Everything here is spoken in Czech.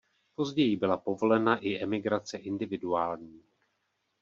Později byla povolena i emigrace individuální.